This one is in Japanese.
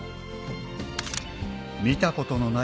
見たことのない